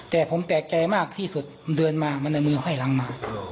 แต่ผมแปลกใจมากที่สุดเดินมามันเอามือห้อยหลังมา